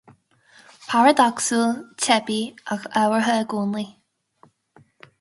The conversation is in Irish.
Paradacsúil, teibí, ach ábhartha i gcónaí